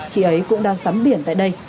khi ấy cũng đang tắm biển tại đây